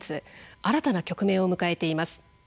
新たな局面を迎えています。